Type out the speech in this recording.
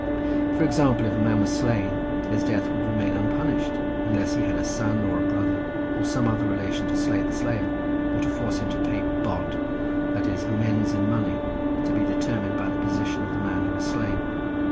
For example, if a man were slain his death would remain unpunished unless he had a son or a brother, or some other relation to slay the slayer, or to force him to pay "bod," that is, amends in money, to be determined by the position of the man who was slain.